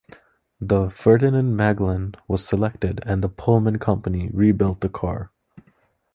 The "Ferdinand Magellan" was selected, and the Pullman Company rebuilt the car.